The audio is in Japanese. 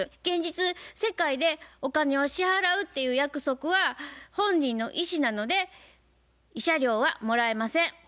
現実世界でお金を支払うっていう約束は本人の意思なので慰謝料はもらえません。